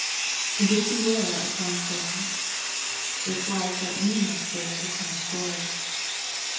— Did He wear a crown of thorns ? It was that we might wear the crown of glory.